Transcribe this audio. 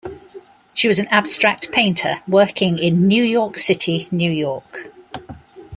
She was an abstract painter, working in New York City, New York.